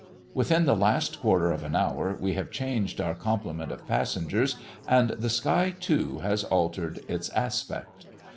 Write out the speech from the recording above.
Within the last quarter of an hour we have changed our complement of passengers, and the sky, too, has altered its aspect.